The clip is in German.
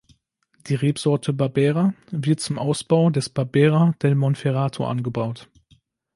Die Rebsorte Barbera wird zum Ausbau des Barbera del Monferrato angebaut.